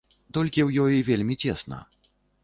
Толькі ў ёй вельмі цесна.